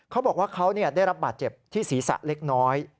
เขาบอกว่าเขาได้รับบาดเจ็บที่ศีรษะเล็กน้อย